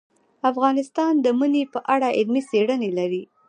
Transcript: افغانستان د منی په اړه علمي څېړنې لري.